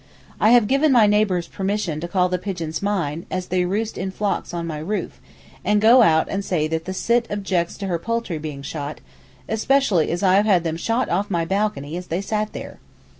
I have given my neighbours permission to call the pigeons mine, as they roost in flocks on my roof, and to go out and say that the Sitt objects to her poultry being shot, especially as I have had them shot off my balcony as they sat there.